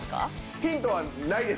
ヒントはないです